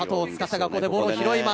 吏がここでボールを拾います。